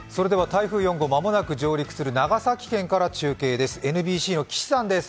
台風４号、間もなく上陸する長崎県から中継です。